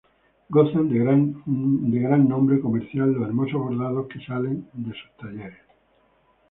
Gozan de gran nombre comercial los hermosos bordados que salen de sus talleres.